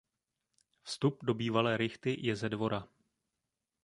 Vstup do bývalé rychty je ze dvora.